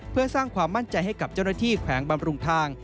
เพื่อสร้างความมั่นใจให้กับเจ้าหน้าที่แขวงบำรุงทาง